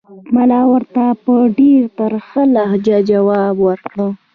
ملا ورته په ډېره ترخه لهجه ځواب ورکړ.